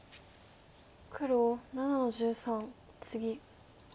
黒７の十三ツギ。